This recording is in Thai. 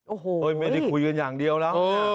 โอ้โหไม่ได้คุยกันอย่างเดียวแล้ว